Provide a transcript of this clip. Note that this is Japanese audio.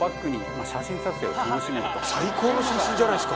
最高の写真じゃないですか。